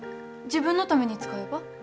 自分のために使えば？